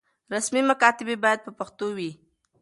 رسمي مکاتبې بايد په پښتو وي.